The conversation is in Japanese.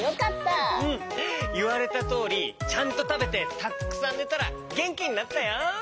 うん！いわれたとおりちゃんとたべてたっくさんねたらげんきになったよ！